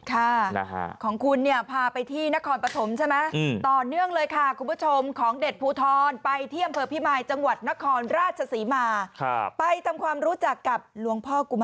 ค่ะของคุณเนี่ยพาไปที่นครปฐมใช่ไหม